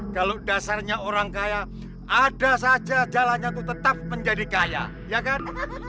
kalau dasarnya orang kaya ada saja jalannya itu tetap menjadi kaya ya kan